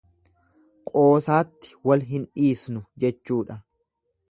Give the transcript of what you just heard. Qoosaatti wal hin dhiisnu jechuudha.